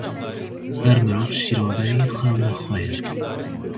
Her mirov şîroveyê xewna xwe ye.